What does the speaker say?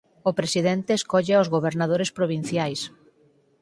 O presidente escolle aos gobernadores provinciais.